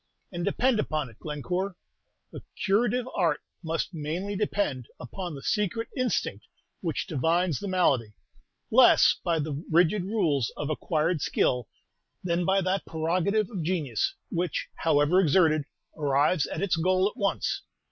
And depend upon it, Glencore, the curative art must mainly depend upon the secret instinct which divines the malady, less by the rigid rules of acquired skill than by that prerogative of genius, which, however exerted, arrives at its goal at once.